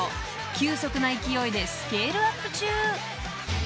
［急速な勢いでスケールアップ中］